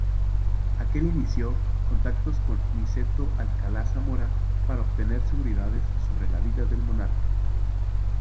Aquel inició contactos con Niceto Alcalá-Zamora para obtener seguridades sobre la vida del monarca.